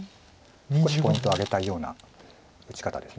少しポイントを挙げたような打ち方です。